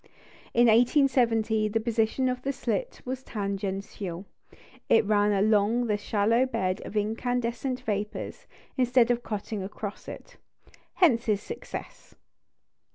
In 1870 the position of the slit was tangential it ran along the shallow bed of incandescent vapours, instead of cutting across it: hence his success.